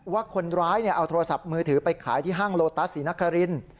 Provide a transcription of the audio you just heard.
ว่าคนร้ายเอาโทรศัพท์มือถือไปขายที่ห้างโลตัสศรีนคริน